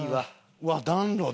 うわっ暖炉だ！